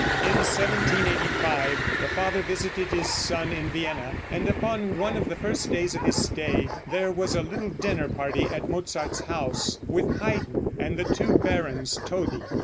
In 1785 the father visited his son in Vienna, and upon one of the first days of his stay, there was a little dinner party at Mozart's house, with Haydn and the two Barons Todi.